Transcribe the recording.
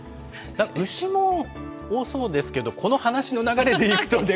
ウシも多そうですけど、この話の流れでいくとネコ。